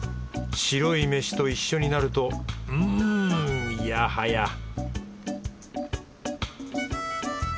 白い飯と一緒になるとうんいやはや